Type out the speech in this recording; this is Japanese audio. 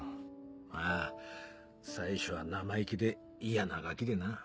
ああ最初は生意気でイヤなガキでな。